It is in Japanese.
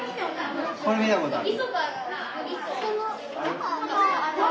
これ見たことある？